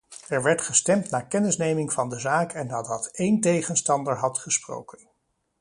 Er werd gestemd na kennisneming van de zaak en nadat één tegenstander had gesproken.